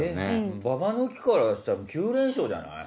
ババ抜きからしたら９連勝じゃない？